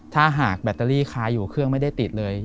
ถ้าหากแบตเตอรี่คาอยู่เครื่องไม่ได้ติดเลย